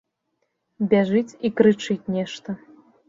Бяжыць і крычыць нешта.